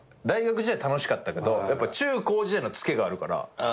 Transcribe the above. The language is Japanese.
大学時代楽しかったけどやっぱ中高時代のつけがあるから。